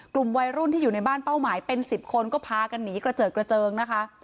กลุ่มวัยรุ่นที่อยู่ในบ้านเป้าหมายเป็น๑๐คนก็พากันหนีกระเจิดกระเจิงนะคะ